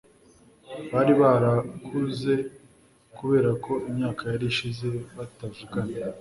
bari barakuze kubera ko imyaka yari ishize batavugana